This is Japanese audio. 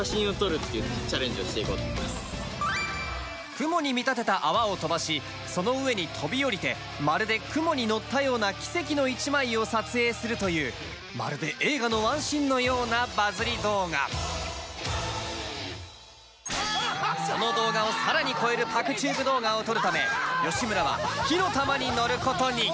雲に見立てた泡を飛ばしその上に飛び降りてまるで雲に乗ったような奇跡の１枚を撮影するというまるで映画のワンシーンのようなバズり動画その動画をさらに超えるぱくＴｕｂｅ動画を撮るため吉村は火の玉に乗ることに！